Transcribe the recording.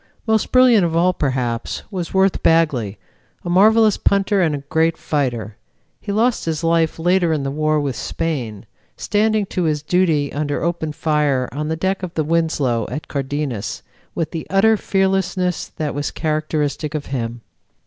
Most brilliant of all, perhaps, was Worth Bagley, a marvelous punter and great fighter. He lost his life later in the war with Spain, standing to his duty under open fire on the deck of the Winslow at Cardenas, with the utter fearlessness that was characteristic of him.